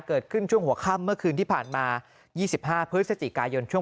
เกิดขึ้นช่วงหัวค่ำเมื่อคืนที่ผ่านมา๒๕พฤศจิกายนช่วง